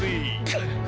くっ。